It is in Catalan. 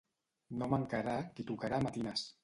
No mancarà qui tocarà matines.